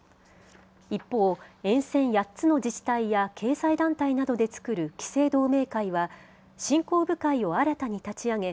一方、沿線８つの自治体や経済団体などで作る期成同盟会は振興部会を新たに立ち上げ